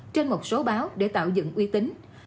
trên một số báo để tạo dựng uy tín